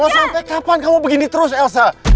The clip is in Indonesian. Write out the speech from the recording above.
sampai kapan kamu begini terus elsa